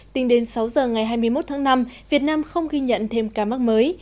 tính đến sáu giờ ngày hai mươi một tháng năm việt nam không ghi nhận thêm ca mắc mới